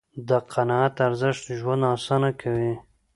د قناعت ارزښت ژوند آسانه کوي.